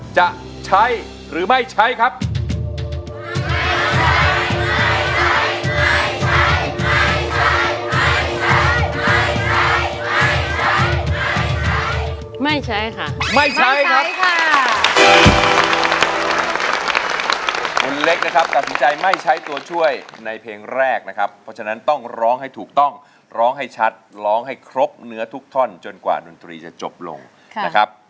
จะใช้หรือไม่ใช้ครับ